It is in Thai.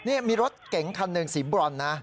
นี่มีรถเก๋งคันหนึ่งสีบรอนนะ